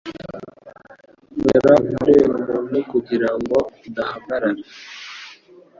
ongera unkore ubuntu kugirango udahagarara